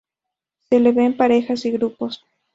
Se le ve en parejas y grupos.